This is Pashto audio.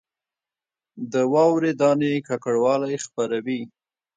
د واورې دانې ککړوالی خپروي